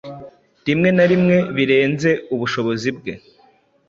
rimwe na rimwe birenze ubushobozi bwe